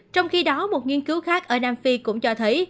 trong khi đó một nghiên cứu khác ở nam phi cũng cho thấy